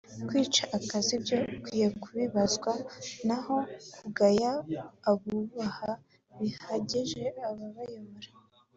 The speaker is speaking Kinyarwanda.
Kwica akazi byo ukwiye kubibazwa naho kugaya abubaha bihagije ababayobora